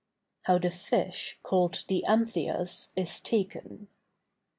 HOW THE FISH CALLED THE ANTHIAS IS TAKEN.